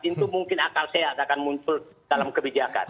itu mungkin akal sehat akan muncul dalam kebijakan